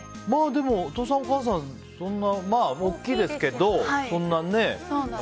でもお父さん、お母さんは大きいですけどそんなね。